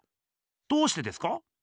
どうしてですか？